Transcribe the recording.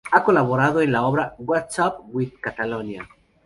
Ha colaborado en la obra "What's up with Catalonia?